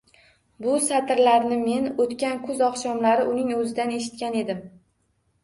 Bu satrlarni men o’tgan kuz oqshomlari uning o’zidan eshitgan edim.